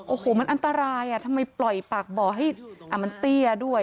โอ้โหมันอันตรายทำไมปล่อยปากบ่อให้มันเตี้ยด้วย